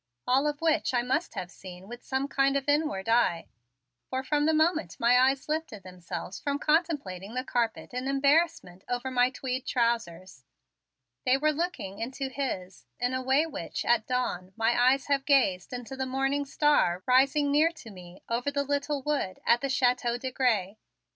All of which I must have seen with some kind of inward eyes, for from the moment my eyes lifted themselves from contemplating the carpet in embarrassment over my tweed trousers they were looking into his in a way which at dawn my eyes have gazed into the morning star rising near to me over the little wood at the Chateau de Grez.